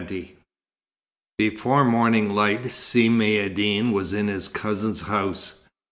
XX Before morning light, Si Maïeddine was in his cousin's house.